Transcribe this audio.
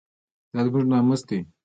دا زموږ ناموس دی؟